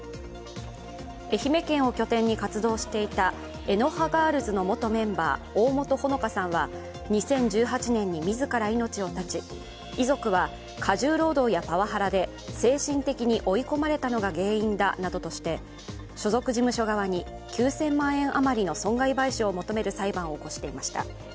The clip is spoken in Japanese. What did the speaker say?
愛媛県を拠点に活動していた愛の葉Ｇｉｒｌｓの元メンバー、大本萌景さんは２０１８年に自ら命を絶ち、遺族は過重労働やパワハラで精神的に追い込まれたのが原因だなどとして、所属事務所側に９０００万円余りの損害賠償を求める裁判を起こしていました。